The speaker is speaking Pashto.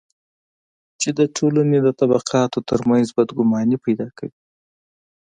چې د ټولنې د طبقاتو ترمنځ بدګماني پیدا کوي.